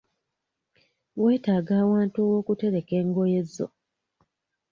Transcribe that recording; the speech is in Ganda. Weetaaga ewantu ewookutereka engoye zo.